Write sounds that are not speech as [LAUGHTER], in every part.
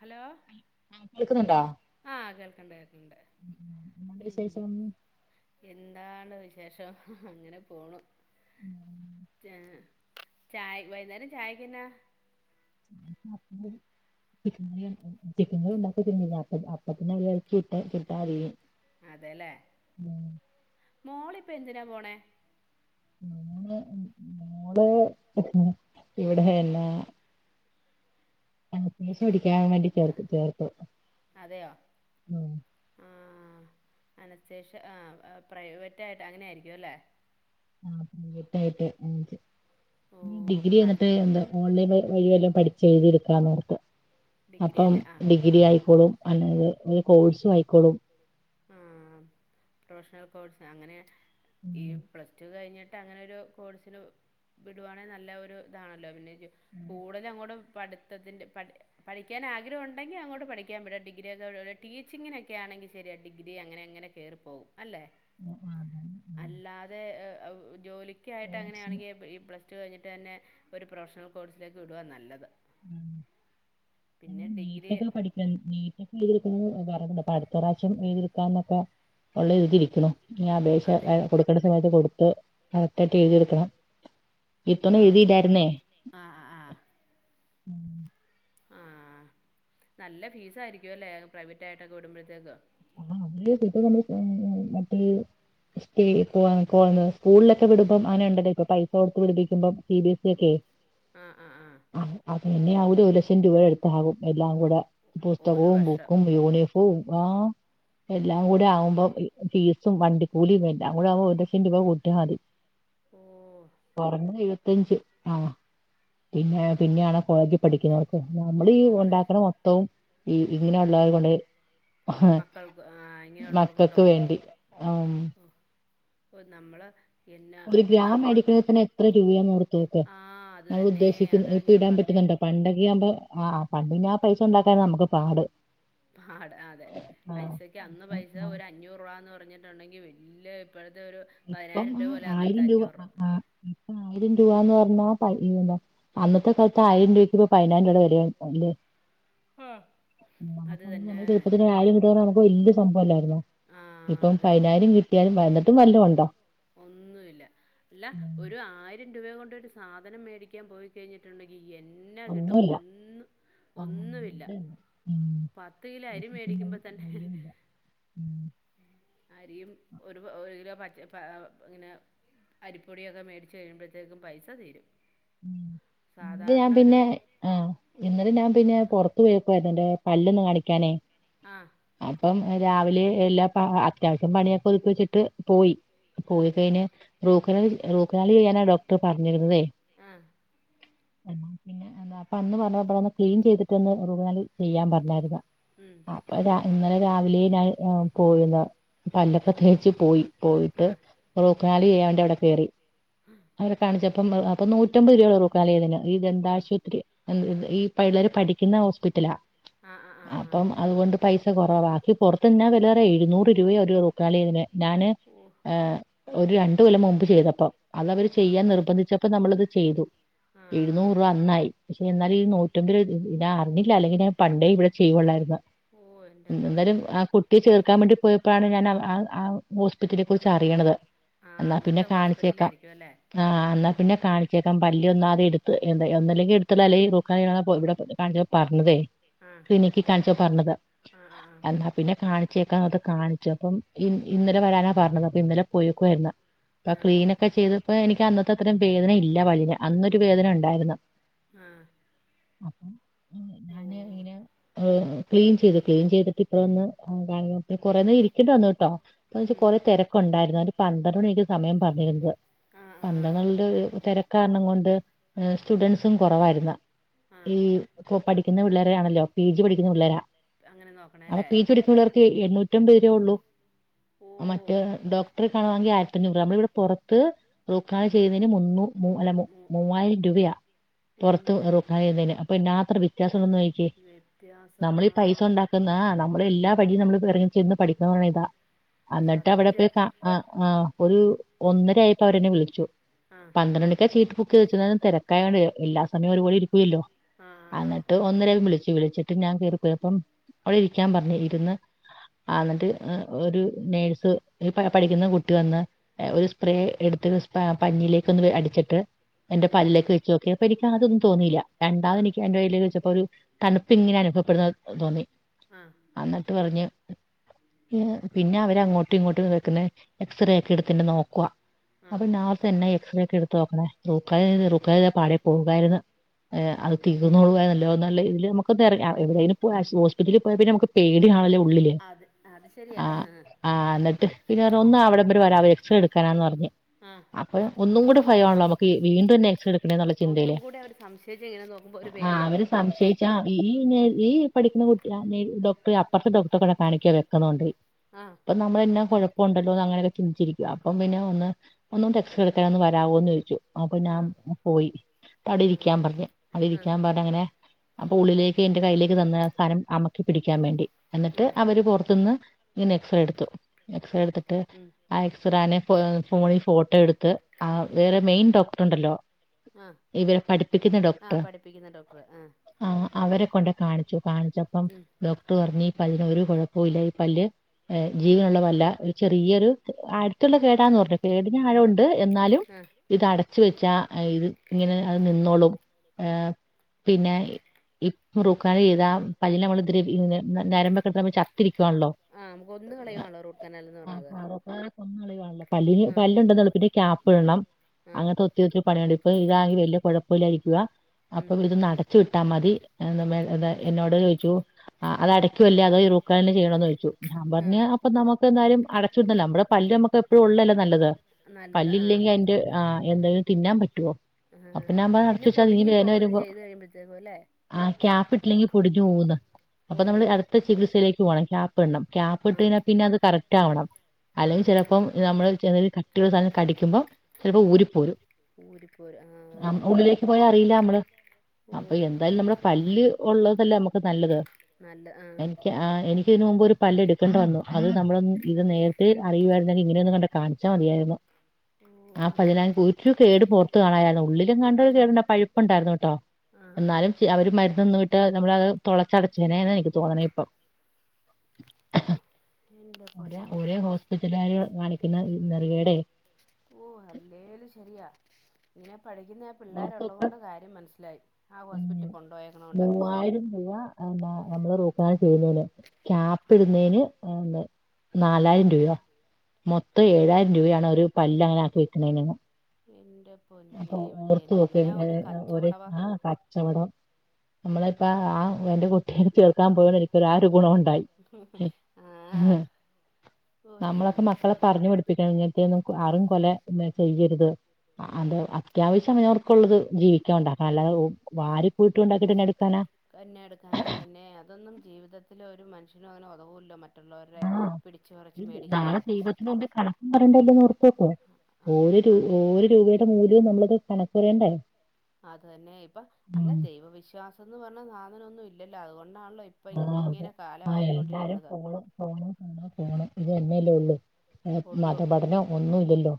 Hello ആ കേൾക്കുന്നുണ്ടോ ആഹ കേൾക്കണ്ട് കേൾക്കണ്ട് എന്തുണ്ട് ഉ വിശേഷം എന്താണ് വിശേഷം അങ്ങനെ പോണു ആ ചായ വൈകുന്നേരം ചായക്കെന്നാ അ ചൻ ചിക്കൻ കി ഉണ്ടാക്ക അപ്പ അപ്പത്തി അട്ട കിട്ടാ അതിും അതെല്ലേ മോളിപ്പൊ എന്തിനാ പോണേ ഞള് ഇവിടെ എന്നന്നാ ആ മീശവാടികാൻ വേണ്ടി ചേർ ചേർത്തു. അതെയോ ഉം ആഹ ആ. അനസ്റ്റ്യേഷ്യ ആഹ് പ്രൈവറ്റ് ആയിട്ട് അങ്ങനെ ആയിരിക്കുവല്ലെ ആട്ട ആട്ട് ഓഹ് ഡിഗ്രി അപ്പം നല്ല എന്നിട്ട് എന്താ ഓൺലൈൻ വഴിവെല്ലും പഠിച്ച് എഴുത്തിയെടുക്കാന്ന് [UNINTELLIGIBLE] ഡിഗ്രി അപ്പം അല്ലേ ആഹ് ഡിഗ്രി ആയിക്കോളും അല്ലെ ഈ കോഴ്സു ആയിക്കോളും ആഹ് പ്രൊഫ്ഷണൽ കോഴ്സ് അങ്ങനെ ഈ ഉം. പ്ലസ് ടു കഴിഞ്ഞ് അങ്ങനെ ഒരു കോഴ്സിന് വിടുവാണെ നല്ല ഒരു ഇതാണല്ലോ പിന്നെ കൂടുതലും അങ്ങോട്ട പട്ത്തത്തിന്റെ പടി പഠിക്കാ ആഗ്രഹം ഉണ്ടെകിൽ അങ്ങോട്ട് പഠികാൻ വിടുക. [UNINTELLIGIBLE] ടീച്ചിങ്ങിനൊക്കെ ആണെങ്കിൽ ശെരിയാ ഡിഗ്രിയക്കെ അങ്ങനെ. അങ്ങനെ കേറിപ്പോവും അല്ലെ. ആ, അതാണ്. ആ, അല്ലാതെ ജോലിക്കക്കായിട്ട് കോഴ്സ് അങ്ങനെയാണെങ്കിൽ ഈ പ്ലസ് റ്റ് കഴിഞ്ഞിട്ടന്നെ ഒരു പ്രൊഫഷണൽ കോഴ്സിലേക്ക് വിടുവ നല്ലത് പിന്നെ ഡിഗ്രി നീറ്റൊക്കെ പഠിക്ക നീറ്റൊക്കെ എഴതിെടുക്ക അപ്പ അടുത്ത പ്രാവശ്യം തിക്കാനൊക്കെ ഉള്ളെഴുതിവെക്ക്ണു ഈ അപേക്ഷ അതെ കൊടുക്കെണ്ട സമയത്ത് കൊടുത്ത് അടുത്തായ്ട്ട് എഴുതിട്ക്കണം ഇത്തവണ ആഹ് എഴുതിയില്ലായിരുന്നേ? ആഹ് ആഹ് ആഹ് നല്ല ഫീസായിരിക്കുവല്ലെ പ്രൈവറ്റ് ആയിട്ടൊക്കെ വിടുമ്പഴത്തേക്ക് ആ അ കപ്പ മറ്റേ സ്പേ സ്കൂളിലൊക്കെ വിടുമ്പൊ അങ്ങനെ ഉണ്ടല്ലൊ ഇപ്പൊ പൈസ കൊടുത്ത് പിടിപ്പിക്ക്മ്പം സീ ബി എസ്സ ഒക്കെ മം മം മം. പിന്നെ അവടെ ഒരു ലക്ഷം രൂപ അട്ത്താകും എല്ലാം കൂടെ ഒരു പുസ്തകോം വർഷം ബുക്കും യൂണിഫോമും ഓ ആ എല്ലാം ഓ കൂടെ ആവുമ്പൊ ഇ ഫീസും വണ്ടിക്കൂലി എല്ലാം കൂടെ ആവുമ്പൊ ഒരു ലക്ഷം രൂപ കൂട്ടിയ മതി ഓ പറഞ്ഞ എഴുപത്തഞ്ച് ആ പിന്നെ പിന്നെയാണ് കോളേജിൽ പഠി‌ക്കിന്നവർക്കും നമ്മളീ കോളേജ് ഒണ്ടാക്ക്ണ മൊത്തം ഈ ഇങ്ങനെ ഉള്ളവര് കൊണ്ടോയി മക്കൾക്ക് ആ ഇങ്ങനെയുള്ളവർക്ക് കൊണ്ട കൊടുക്കും. വേണ്ടി ആഹ് ഓ നമ്മള് എന്നാ ഒരു ഗ്രാം നമ്മൾ മേടിക്കാണെങ്കിൽ തന്നെ എത്ര രൂപയാന്നോർത്തോക്ക്. ആഹ് അത് നമ്മൾ തന്നെ ഉദ്ദേശിക്കുന്ന അതാ ഞാൻ ഇപ്പിടാൻ പറഞ്ഞെ പറ്റുന്ന ണ്ടോ പണ്ടൊക്കെ ആവുമ്പോ ആ പണ്ട് ആ പൈസ ഉണ്ടാക്കാനാ നമുക്ക് പാട്. പാടാ അതെ ആഹ് പൈസക്കെ അന്ന് പൈസ ഒരു അഞ്ഞൂറ് രൂപാന്ന് പറഞ്ഞ് ട്ടൊണ്ടങ്കി വല്യ ഇപ്പഴ ഇപ്പം ആ ആയിരം രൂപ ആ ആ ഇപ്പം ആയിരം രൂ ബാന്ന് പറഞ്ഞ പ അന്നത്തെ കാലത്ത് ആയിരം രൂപക്ക് ഇപ്പ പയിനായിരം രൂബടെ വെലയൊ ഒണ്ട് ആഹ് അത് നമുക്ക് തന്നെ നമ്മ [UNINTELLIGIBLE] നമുക്ക് വലിയ സംഭവം ആഹ് ഇപ്പം അത് പതിനായിരം കിട്ടിയാലും എന്നിട്ടും വല്ലത് ഒണ്ടോ ഒന്നു ഇല്ല ഇല്ല ഒരു ആയിരം രൂപേ കൊണ്ട് ഒരു സാധനം മേടിക്കാൻ പോയി കഴിഞ്ഞിട്ടുണ്ടെങ്കി എന്ന കിട്ടും ഒന്നുമില്ല ഒന്നും ആഹ് ഒന്നുമില്ല പത്ത് കിലൊ അരി അതന്നെ മേടിക്കുമ്പ തന്നെ മൂല്യമില്ല അരിയും ഒരു ഒരു കിലോ പച്ച പ ഇങ്ങനെ അരിപ്പൊടിയൊക്കെ മേടിച്ച് കഴിയുമ്പഴത്തേക്കും പൈസ തീരും ഇം ഇന്നലെ ഞാൻ സാധാരണ ഒരു പിന്നെ ആ ഇന്നലെ ഞാൻ പിന്നെ പൊറത്ത് പോയേക്കുവാർന്നു എന്റെ പല്ലൊന്ന് കാണിക്കാനെ ആഹ് അപ്പം രാവിലെ എല്ലാ പ അത്യാവശ്യം പണിയൊക്കെ ഒതുക്കി വെച്ചിട്ട് പോയി ഉം. പോയി കഴിഞ്ഞ്. റൂകാനാല് റൂക്കനാല് ചെയ്യാന ഡോക്ടർ പറഞ്ഞിരുന്നുന്നതെ. ആ എന്ന പിന്നൊ അപ്പൊ അന്ന് പറഞ്ഞത് ഒന്ന് ക്ലീൻ ചെയ്തിട്ട് ഒന്ന് റൂക്കനാൽ ചെയ്യാൻ പറഞ്ഞായിരുന്ന് ഉം. അപ്പ രാ ഇന്നലെ രാവിലെ ഞാൻ പോയിന്ന പല്ലക്കത്തേച്ച് പോയി ആ. പോയിട്ട് റൂക്കനാലി ചെയ്യാൻ വേണ്ടി അവിടെ കയറി. അവരെ ആ. കാണിച്ചപ്പോ അപ്പൊ നൂ റ്റമ്പത് രൂപയുള്ളു റുക്കനാലു ചെയ്യുന്നതിന് ഈ ആ. ദന്താശുപത്രി ഈ പിള്ളേര് പഠിക്കുന്ന ഹോസ്പിറ്റലാ. ആ. ആ. ആ. ആ. അപ്പം അതുകൊണ്ട് പൈസ കൊറവ ബാക്കി പൊറത്ത് എന്ന വിലയാന്നറിയോ എഴുന്നൂറ് രൂപയാ ഒരു റുക്കനാലി ചെയ്യുന്നെയന് ഞാന്. ഓ. ഒരു രണ്ടു കൊല്ലം മുമ്പ് ചെയ്തപ്പ അത് അവര് ആ. ചെയ്യാൻ നിർബന്ധിച്ചപ്പ നമ്മളത് ചെയ്തു ആ. എഴുന്നൂറ് രൂപ അന്നായി. പക്ഷെ എന്നാലെ ഈ നൂറ്റമ്പത് രൂപ അറിഞ്ഞില്ല അലെങ്കി ഞാൻ പണ്ടേ ഇവിടെ ചെയ്യൊള്ളായിരുന്ന് ഓ! എൻ്റെ എന്താലും പൊന്നേ. ആ കുട്ടിയെ ചേർക്കാൻ വേണ്ടി പോയപ്പോഴാണ് ഞാൻ ആആ ഹോസ്പിറ്റലിനെ ഹോ കുറിച്ച് അറി യണത് ആ എന്ന പിന്നെ അങ്ങനത്തെ കാണിച്ചേക്കാം ഹോസ്പിറ്റലായിരിക്കും അല്ലേ? ആഹ് എന്നാ പിന്നെ കാണി ക്കാം പല്ല് ഒന്ന് ആദ്യം എടുത്ത് എന്താ ഒന്നല്ലെങ്കി എടുത്തളയുക അല്ലെങ്കി റൂക്കനാല് ചെയ്യാ ഇവിടെ കാണിച്ചപ്പ പറഞ്ഞതേ ആ. ക്ലിനിക്കിൽ കാണിച്ചോ പറഞ്ഞത്. ആ. ആ. ആ. എന്നാ പിന്നെ കാണി ചേക്കാന്നോർത്ത് കാണിച്ച് അപ്പം ഇ ഇന്നലെ വരാനാ പറഞ്ഞത് അപ്പൊ ഇന്നലെ പോയേക്കുവായിരുന്ന് അപ്പൊ ആഹ് ക്ലീനൊക്കെ ചെയ്തപ്പോ എനിക്ക് അന്നത്തെ അത്രം വേദന ഇല്ല പല്ലിന് അന്നൊരു വേദന ഒണ്ടായിരുന്ന് ആ അപ്പം ഞാൻ ഇങ്ങനെ ക്ലീൻ ചെയ്തു ക്ലീൻ ചെയ്തിട്ട് ഇപ്പ വന്ന് [UNINTELLIGIBLE] കൊറെന്നേരം ഇരിക്കേണ്ടി വന്നു കേട്ടോ എന്താന്ന് വെച്ചാ ഉം കൊറെ തെരക്കൊണ്ടായിരുന്നു ഒരു പന്ത്രണ്ട് മണിക്ക് സമയം പറഞ്ഞിരുന്നത് ആഹ് ആഹ് [UNINTELLIGIBLE] തെര ക്കാരണം കൊണ്ട് സ്റ്റുഡന്റ്സും കൊറവായിരുന്ന് ആഹ് ഈ കൊ പഠി ക്കുന്ന പിള്ളേരാണല്ലോ പി ജി പഠിക്കുന്ന പിള്ളരാ. അങ്ങനെ അവ നോക്കണല്ലേ പീ ജി പഠിക്കുന്ന പിള്ളേർക്ക് എണ്ണൂറ്റമ്പത് രൂപേ ഉള്ളു. ഓ മറ്റേ ഡോക്ടറെ കാണണെങ്കി ആയിരത്തി അഞ്ഞൂറ് രൂപ നമ്മള് ഇവിട പൊറത്ത് റൂക്കനാല് ചെയ്യുന്നതിന് മുന്നൂ മൂ അല്ല മു മൂവായിരം രൂപയാ പുറത്ത് എൻ്റെ റക്കാനൽചെയുന്നതിന്. അപ്പൊ [UNINTELLIGIBLE] [UNINTELLIGIBLE] വ്യത്യാസം നമ്മളി ഈ പൈസ ആഹ് ഉണ്ടാക്ക്ന്ന നമ്മളെല്ലാ ഇല വഴി നമ്മള് വിറങ്ങും ചെന്ന് പഠിക്ക പറഞ്ഞ ഇ [UNINTELLIGIBLE] ട്ട് അവിടെ പോയി സത്യം ആ് ഒരു ഒന്നര ആയപ്പൊ അവരെന്നെ വിളിച്ചു. ആഹ് പന്ത്രണ്ട് മണിക്കാണ് ചീറ്റ് ബുക്ക് ചോയ്ച്ച തിരകായോണ്ട് എല്ലാ സമയം ഒരുപോടി പോല്ലോ ആഹ് ആഹ് എന്നിട്ട് ഒന്നര വിളിച്ചു വിളിച്ചിട്ട് ഞാൻ [UNINTELLIGIBLE] ഇരിക്കാൻ പറഞ്ഞഞ് ഇരുന്ന് എന്നിട്ട് ഒരു നേഴ്സ് പഠിക്കുന്ന കുട്ടി വന്ന് ഒരു സ്പ്രേ എടു [UNINTELLIGIBLE] പഞ്ഞിയിലേക്ക് ഒന്ന് അടിച്ചിട്ട് എന്റെ ഉം പല്ലേക്ക് വെച്ചു നോക്കി അപ്പ എനിക്ക് അതൊന്നും തോന്നില്ല രണ്ടാമത് ആഹ് എനിക്ക് എന്റെ കയ്യിലേക്ക് വെച്ചപ്പോ ഒരു തണുപ്പ് ഇങ്ങനെ അനുഭവപ്പെടുന്നത് തോന്നി ആഹ് എന്നിട്ട് പറഞ്ഞ് പിന്നെ അവരങ്ങോട്ടും ഇങ്ങോട്ടും വെക്കുന്ന എക്സറേ ഒക്കെ എടുത്തിണ്ട് നോക്കുവ അപ്പൊ ആഹ് നർത്തെ എന്നെ എക്സറേ ഒക്കെ എടുത്തു അപ്പോ റൂ [UNINTELLIGIBLE] പാട പോവകായിരുന്നു. അ തീർന്ന [UNINTELLIGIBLE] പോയ നല്ലോന്നല്ല ഇതി നമക്ക് എവിടെ പോ ഹോസ്പിറ്റലിൽ പോയാ പിന്നെ നമുക്ക് പേടിയാണല്ലോ? ഉള്ളിൽ അത് അത് ശരിയാ ആ ആ നിട്ട് [UNINTELLIGIBLE] രക്ഷ എടുക്കാനന്ന് പറഞ്ഞഞ് ആഹ് അപ്പൊ ഒന്നും കൂടെ ഭയ ആണല്ലൊ നമ്മക്ക് വീണ്ടുംന്നെ എക്സ് എടുക്ക്ണെന്ന്ള്ള ഒന്നും ചിന്തയിലെ കൂടി അവര് സംശയിച്ച് ഇങ്ങനെ നോക്കുമ്പോ ഒരു ആഹ് അവര് പേടിയാവും സംശയിച്ച ഈ ഈ പഠിക്കുന്ന കുട്ടി ഡോക്ർ അപ്പറ്ത്തെ ഡോക്ടറെ കൊണ്ട് കാണിക്ക [UNINTELLIGIBLE] ആഹ് ഇപ്പൊ നമ്മളെന്ന കൊഴപ്പം ണ്ടോന്ന് അങ്ങനെയൊക്കെ ചിന്തിചിരി കും അപ്പം പിന്നെ ഒന്ന് ഒന്നും ടെക്സ് [UNINTELLIGIBLE] എടുക്കാൻ ഒന്ന് വരമോന്ന് ചോദിച്ചു? അപ്പൊ ഞാൻ ആഹ് പോയി ആഹ് തടിരിക്കാൻ പറഞ്ഞ് ആഹ് ആഹ് അടിരിക്കാൻ പറഞ്ഞ അങ്ങനെ. അപ്പൊ ഉള്ളിലേക്ക് എന്റെ കയ്യിലേക്ക് തന്ന സാനം അമ്മർത്തി പിടിക്കാൻ വേണ്ടി. എന്നിട്ട് ആഹ് അവര് പുറത്തുന്ന് ഇങ്ങന എക്സറേ ഇടുത്തു. എക്സ്രെ എടുത്തിട്ട് ഉം ആ എക്സ്രെനെ ഫോണിൽ ഫോട്ടോ എടുത്ത് ആ വേറെ മെയിൻ ഡോക്ടർ ഉണ്ടല്ലോ? ആഹ് ഇവരെ പഠിപ്പിക്കുന്ന ആഹ് ഡോക്ടർ പഠിപ്പിക്കുന്ന ഡോക്ടർ ആഹ് ആ അവരെ കൊണ്ട് കാണിച്ചു. കാണിച്ചപ്പം ഉം ഡോക്ട്റ് പറഞ്ഞ് അതിനൊ ഒരു കുഴപ്പമില്ല ഈ പല് ജീവനള്ള പല്ല ഒരു ചെറിയരു അടുത്തുള്ള കേടാ ടി [UNINTELLIGIBLE] ആഴുണ്ട് എന്നാലും ആഹ് ഇത്ട വച്ച വെച്ചാ ഇത് ഇങ്ങനെ അത് നിന്നോളും ഏ പിന്നെ പ്പ റൂക്കാൽ ചെയ്താ പല്ലിനമ്മള് ദ്രവി ന്ന നരമ്പൊക്കെടുക്ക്ണ ചത്തിരിക്കാണല്ലോ? ആഹ് നമുക്ക് ഒന്ന് കളയുവാണല്ലോ റൂട്ട് കനാൽന്ന് പറഞ്ഞത് [UNINTELLIGIBLE] ഒന്ന അളിവാണല്ലോ പല്ലിന് ആഹ് പല്ല് ഉണ്ട് എളുപ്പിന് ക്യാപ്പ് ഇടണം ആഹ് അങ്ങനത്തെ ഒത്തി ണിയുണ്ട് ഇപ്പാ ഇത് ലാണെങ്കി വല്യ കൊഴപ്പല്ലായിരിക്കുവാ, ഉം അപ്പൊ ഇതും നട വിട്ടാ മതി എ എന്നോട് ചോദിച്ചു ആ അത അടയ്ക്കല്ല അതോഈ റൂട്ട് കനാൽ ചെയ്യണോന്ന് ചദിച്ചു. ഞാ പറഞ്ഞഞ് ആഹ് അപ്പൊ നമ്മുക്ക് എന്തായാലും അടച്ചിടന്നല്ലോ നമ്മടെ പല്ല് നമുക്ക് എപ്പഴും ഉള്ളല്ലേ നല്ലത്. നല്ലത് ആഹ് പല്ലല്ലെങ്കി അതിന്റെ ആ എന്തായും തിന്നാൻ പറ്റുവോ? ആ പിന്നെ പൊടിഞ്ഞു പോകും ത് വരുമ്പോൾ ചെയ്ത് കഴിയുമ്പോഴത്തേക്കും അല്ലേ? ആ ക്യാപ്പ് ഇട്ടില്ലെങ്കിൽ പൊടിഞ്ഞു പോകന്ന് അപ്പൊ നമ്മള് ഓഹ് അടുത്ത ചികിത്സയിലേക്ക് ണം ക്യാപ്പ് ഇടണം ക്യാപ്പ് ഇട്ട ആഹ് കൽ പിന്നെ അത് കറക്റ്റ് ആവണം അല്ലെങ്കിൽ ആഹ് ചിലപ്പോം നമ്മൾ ച കട്ടികുള്ള സാധം കടിക്കുമ്പോ ചിലപ്പോ ഊരി പോരും [INAUDIBLE] അ ഉള്ളിലേക്ക് പോയാ അറിയില്ല നമ്മള് അപ്പൊ ഓഹ് എന്താലും ആഹ് നമ്മുടെ പല്ല് ഉള്ള നമുക്ക് നല്ലത് നല്ല ആഹ് എനിക്ക് എനിക്ക് ഇതിനു മുമ്പ് ഒരു പല്ല് എടുക്കണ്ടെ വന്നു. അത് നമ്മൾ ഇത് നേരത്തെ അറിയുായിരുന്നെങ്കിൽ ഇങ്ങനെയൊന്ന് കണ്ട് കാണിച്ചാ മതിയായിരുന്നു. അപ്പൊ ഓഹ് അതിന ഒരുറ്റ കേട് പുറത്ത് കാണായിരുന്നു. ഉള്ളിലും കാണ്ടരു കേടുണ്ട പഴുപ്പുണ്ടായിരുന്നു കേട്ടോ? ആഹ് ആഹ് എന്നാലും അവര് മരുന്ന് നിന്ന് വിട്ട് നമ്മളത്. തുളച്ചടച്ചനെന്ന് എനിക്ക് തോന്നണ ഇപ്പൊ എൻ്റെ ഒര പൊന്നെ ഒരേ ഹോസ്പിറ്റലുകര് കാണിക്കുന്ന നിെറുകടെ ഓ അല്ലേല് ശരിയാ പിനെ പഠിക്കുന്ന ഓർത്തൊക്കെ പിള്ളേരുള്ളതുകൊണ്ട് കാര്യം മനസ്സിലായി ആ ഉം ഹോസ്പിറ്റല കൊണ്ടു പോയേക്കുന്നത് കൊണ്ട് മൂവായിരം [UNINTELLIGIBLE] നമ്മള് റൂക്ക ചെയ്തേനെ ക്യാപ്പി ഇടുന്നതിന് ഏഹ് നാലായിരം രൂപ മൊത്തം ഏഴായിരം രൂപയാണ് ഒരു പല്ല് അങ്ങനെ ആക്കി വെക്ക്ണീന്. എന്റെ അപ്പൊ ഓർത്തു നോക്കി ഒ ഓൽ കച്ചവടവാ ആഹ് കച്ചോടം. നമ്മള ഇപ്പ ആ എൻ്റെ കുട്ടിയ കേൾ ക്കാൻ പേണ് ഇരിക്കൽ ആ ഒരു ഗുണ ഉണ്ടായി ഉം ആഹ് ഓഹ് നമ്മളൊക്കെ എൻ്റെ മക്കളെ പൊന്നെ പറഞ്ഞു പിടിപ്പിക്കണം ങ്ങൻതേന്നും ആരും കൊല ചെയ്യരുത്. അത് അത്യാവശ്യംവർക്കുള്ളത് ജീവിക്കാൻ ഉണ്ടാക്കാം അല്ലാതെ വാരിക്കൂട്ടി ഉണ്ടാക്കിട്ട് എന്നാ എടുക്കാനാ കന്നെ എടുക്കാന അത് തന്നെ അതൊന്നും ജീവിതത്തിലെ ഒരു മനു ശ്യാ അങ്ങനെ ഉതവുല്ല മറ്റുള്ളവരെ പിടി നാളെ ദൈവത്തിന് മുമ്പിൽ കണക്കും പറയേണ്ടല്ലേന്നോർതോക്കോ ആ ഓരൂ ആ, ഓ രൂപയുടെ മൂല്യവും നമ്മളത് കണക്ക് പറയണ്ടേ അത് അന്നെ ഇപ്പ അല്ല ദൈവവിശ്വാസം എന്ന് പറഞ്ഞാ സാധനം ഒന്നും ഇല്ലല്ലോ അതുകൊ ആഹ് അതെ ആ എല്ലാരും ഫോണ് ഫോണ് ഫോണ് ഫോണ് ഇതന്നെല്ലേ ഉള്ളൂ. ഉള്ളു മതപഠനം ഒന്നും ഇല്ലല്ലോ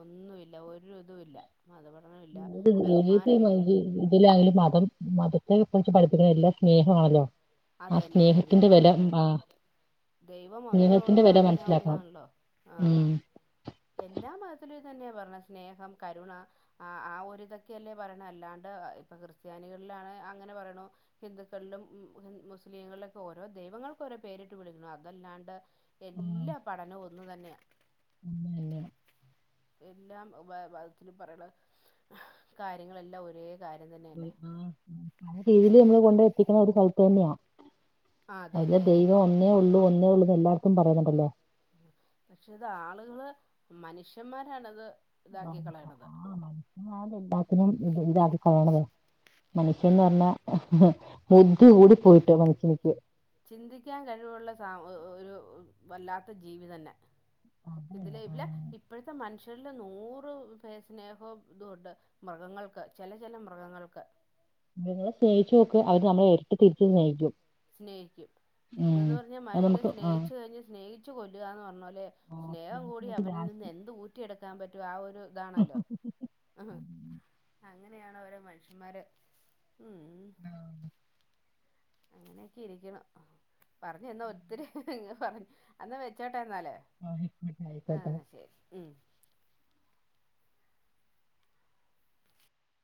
ഒന്നുമില്ല ഒരു ഇതും ഇല്ല മതപ ണ്ട് [UNINTELLIGIBLE] ഇതിലായാലും മതം മതത്തെ കുറിച്ച് പഠിപ്പിക്കുന്ന എല്ലാ സ്നേഹമാണല്ലോ ആ അത് തന്നെ സ്നേഹത്തിന്റെ ദൈവം വില ആ ദൈവം ഒന്നേ സ്നേഹത്തിന്റെ ഉള്ളൂ വില അങ്ങനെ അ മനസ്സിലാക്കണം ഒരിതാണല്ലോ ആഹ് ഉം എല്ലാ മതത്തിലു തന്നെ പറണെ സ്നേഹം കരുണ ആ ഒരിതൊക്കെയല്ലേ പറയണ്, അല്ലാണ്ട് ഇപ്പ ക്രിസ്ത്യാനികൾ ലാണ് അങ്ങനെ പറയ്ണ ഹിന്ദുക്കളിലും മുസ്ലീങ്ങളിലൊക്കെ ഓരോ ദൈവങ്ങൾക്ക് ഓരോ പേരിട്ട് വിളിക്കണം അതല്ലാണ്ട് ആഹ് എല്ലാ പഠനവു ഒന്നു തന്നെയാ. [UNINTELLIGIBLE] എല്ലാം മ മതത്തിലും പറയ്ണ കാര്യങ്ങളെല്ലാം ഒരേ കാര്യം തന്നെയല്ലേ ആ പല രീതിയില് നമ്മള് കൊണ്ട് എത്തിക്ക്ണ ഒരു സ്ഥലത്ത് തന്നെയാ ആ അയ്ലെ അതന്നെ ദൈവം ഒന്നേ ഉള്ളൂ ഒന്നേ ഉള്ളൂന്ന് എല്ലാട്ത്തും പറയുന്നുണ്ടല്ലോ പക്ഷെ ഇത് ആളുകള് മനുഷ്യന്മാരാണത് ആ ഇതാക്കി കളയണത് ആഹ് മനുഷ്യമാര് ണ്ട ക്ക്ണ ഇത് ഇതാക്കി [UNINTELLIGIBLE] മനുഷ്യൻന്ന് ആ പറഞ്ഞ പു ചിന്തിക്കാൻ കഴിവുള്ള സാ ഒരു വല്ലാത്ത ജീവി തന്നെ അതല്ല ഇതിലെ ആ [UNINTELLIGIBLE] ഇപ്പഴത്തെ മനുഷ് ങ്ങൾടെ നൂറ് പേ സ്നേഹം ഇതൂണ്ട് മൃഗങ്ങൾക്ക് ചില ചില മൃഗങ്ങൾക്ക് ങ്ങളെ സ്നേഹിച്ചു നോക്ക് അവര് നമ്മളെ ഇരട്ടി തിരിചും സ്നേഹിക്കും സ്നേഹിക്കും ഇത്ന്ന് ഉം പറഞ്ഞാൽ അത് മനുഷ്യനെ നമുക്ക് ആ സ്നേഹിച്ചു കഴിഞ്ഞ് സ്നേഹിച്ചു കൊല്ലുകാന്ന് പറഞ്ഞോലെ ആ സ്നേഹം സ്നേഹിച്ച് കൂടി നോക്ക് അവരിൽ നി ന്ന് ലാസ്റ്റ് എന്ത് ഊറ്റിയെടുക്കാൻ പറ്റും ആ ഒരു ഇതാണല്ലോ അങ്ങനെയാണ് ഓരോ മനുഷ്യന്മാര് ഉം അങ്ങനെയൊക്കെ ഇരിക്കണം പറഞ്ഞു എന്നാ ഒത്തിരി പറഞ്ഞു അന്ന് വെച്ച ട്ട എന്നാല് ആ ആയിക്കോട്ടെ ശരി ഉം